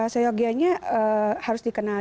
soyogianya harus dikenal